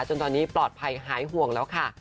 จนตอนนี้ปลอดภัยหายห่วงแล้วค่ะ